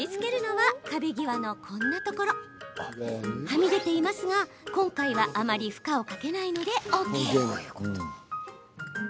はみ出ていますが、今回はあまり負荷をかけないのでＯＫ。